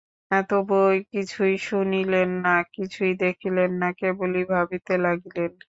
তবুও কিছুই শুনিলেন না, কিছুই দেখিলেন না, কেবলই ভাবিতে লাগিলেন।